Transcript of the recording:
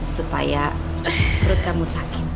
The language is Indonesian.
supaya perut kamu sakit